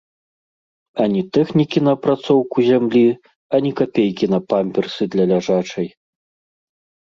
Ані тэхнікі на апрацоўку зямлі, ані капейкі на памперсы для ляжачай.